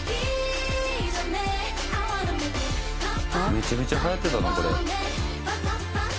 「めちゃめちゃはやってたなこれ」